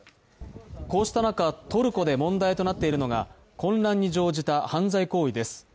こうした中、トルコで問題となっているのが混乱に乗じた犯罪行為です。